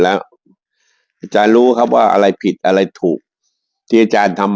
แล้วอาจารย์รู้ครับว่าอะไรผิดอะไรถูกที่อาจารย์ทำ